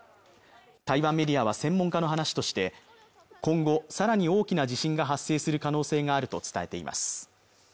台湾メディアは専門家の話として今後さらに大きな地震が発生する可能性があると伝えています